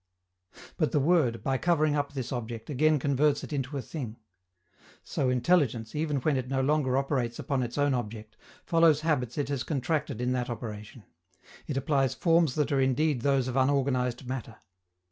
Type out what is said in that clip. But the word, by covering up this object, again converts it into a thing. So intelligence, even when it no longer operates upon its own object, follows habits it has contracted in that operation: it applies forms that are indeed those of unorganized matter.